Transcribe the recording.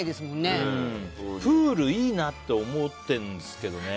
プール、いいなって思ってるんですけどね。